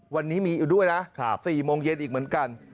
วันนี้มีอยู่ด้วยนะ๔โมงเย็นอีกเหมือนกัน